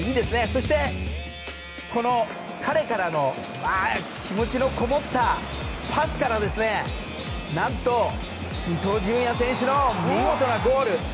そして彼からの気持ちのこもったパスから何と伊東純也選手の見事なゴール。